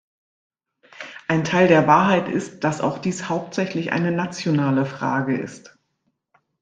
Ein Teil der Wahrheit ist, dass auch dies hauptsächlich eine nationale Frage ist.